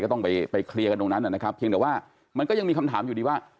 ต้องไปเคลียร์กันตรงนั้นนะครับเพียงแต่ว่ามันก็ยังมีคำถามอยู่ดีว่า